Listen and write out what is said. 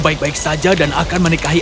baik baik saja dan akan menikahi